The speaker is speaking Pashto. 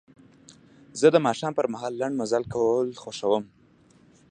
زه د ماښام پر مهال لنډ مزل کول خوښوم.